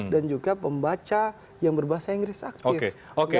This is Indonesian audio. dan juga pembaca yang berbahasa inggris aktif